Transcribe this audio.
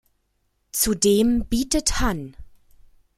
Zudem bietet Hann.